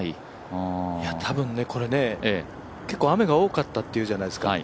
多分ね、これ結構雨が多かったっていうじゃないですか。